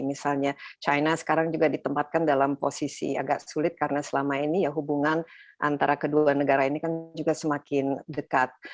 misalnya china sekarang juga ditempatkan dalam posisi agak sulit karena selama ini ya hubungan antara kedua negara ini kan juga semakin dekat